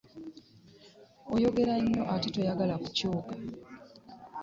Oyogera nnyo ate toyagala kunnyuka.